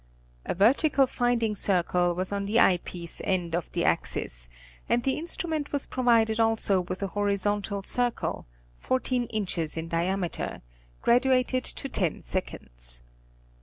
A vertical finding circle was on the eye piece end of the axis, and the instrument was provided also with a horizontal circle, fourteen inches in diameter, graduated to ten seconds.